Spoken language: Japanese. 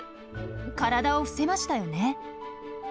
体を伏せましたよね。